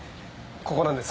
ここなんです。